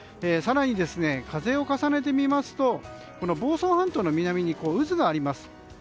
更に風を重ねてみますと房総半島の南に渦があります。